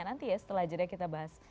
nanti ya setelah jeda kita bahas